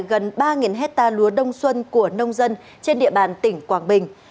gần ba hectare lúa đông xuân của nông dân trên địa bàn tỉnh quảng bình